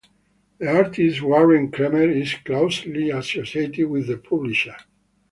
The artist Warren Kremer is closely associated with the publisher.